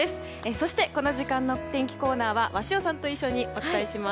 そしてこの時間の天気コーナーは鷲尾さんと一緒にお伝えします。